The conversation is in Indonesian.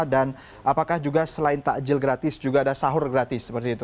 dan apakah juga selain takjil gratis juga ada sahur gratis seperti itu